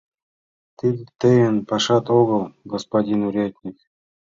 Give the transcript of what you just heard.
— Тиде тыйын пашат огыл, господин урядник.